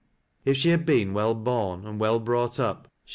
If she had been well boiT and wel. brought up, she wou'.